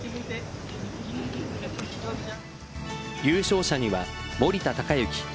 優勝者には森田隆之